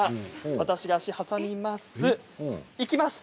私、足、挟みます。